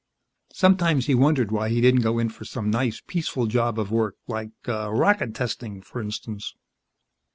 Sometimes he wondered why he didn't go in for some nice, peaceful job of work like rocket testing, for instance.